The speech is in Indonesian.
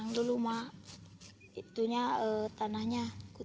yang dulu mah itunya tanahnya